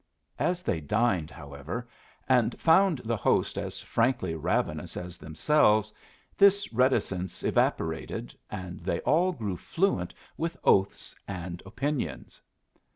As they dined, however, and found the host as frankly ravenous as themselves, this reticence evaporated, and they all grew fluent with oaths and opinions.